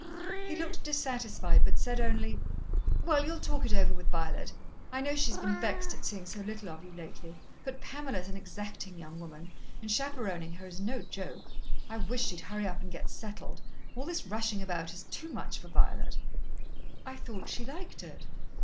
He looked dissatisfied, but said only: "Well, you'll talk it over with Violet. I know she's been vexed at seeing so little of you lately, but Pamela's an exacting young woman, and chaperoning her is no joke. I wish she'd hurry up and get settled all this rushing about is too much for Violet." "I thought she liked it."